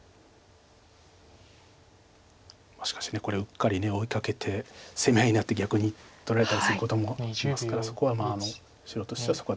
しかしこれうっかり追いかけて攻め合いになって逆に取られたりすることもありますからそこは白としては。